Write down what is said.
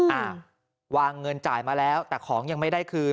อ่าวางเงินจ่ายมาแล้วแต่ของยังไม่ได้คืน